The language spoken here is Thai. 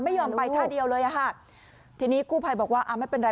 ไม่ยอมไปท่าเดียวเลยอ่ะค่ะทีนี้กู้ภัยบอกว่าอ่าไม่เป็นไร